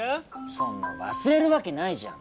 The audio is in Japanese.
そんな忘れるわけないじゃん！